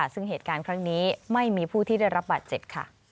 ซึ่งเหตุการณ์ครั้งนี้ไม่มีผู้ที่ได้รับบาดเจ็บค่ะ